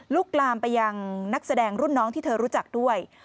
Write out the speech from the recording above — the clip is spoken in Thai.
ลามไปยังนักแสดงรุ่นน้องที่เธอรู้จักด้วย